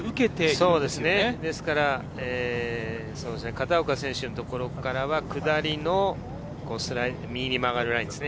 片岡選手のところからは下りの右に曲がるラインですね。